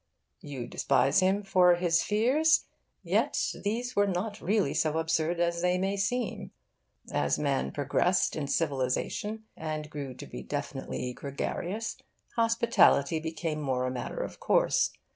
You despise him for his fears? Yet these were not really so absurd as they may seem. As man progressed in civilisation, and grew to be definitely gregarious, hospitality became more a matter of course.